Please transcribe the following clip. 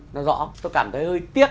nó rõ tôi cảm thấy hơi tiếc